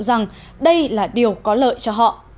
rằng đây là điều có lợi cho họ